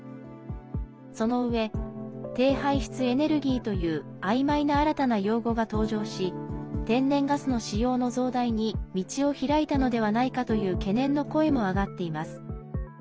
そのうえ低排出エネルギーというあいまいな新たな用語が登場し天然ガスの使用の増大に道を開いたのではないかという懸念の声も上がっています。